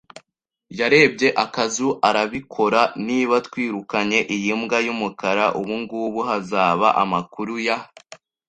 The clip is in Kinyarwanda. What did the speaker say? yarebye akazu, arabikora! Niba twirukanye iyi mbwa yumukara, ubungubu, hazaba amakuru ya